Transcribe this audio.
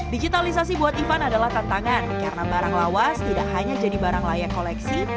digitalisasi buat ivan adalah tantangan karena barang lawas tidak hanya jadi barang layak koleksi